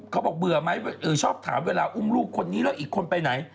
เบื่อไหมชอบถามเวลาอุ้มลูกคนนี้แล้วอีกคนไปไหน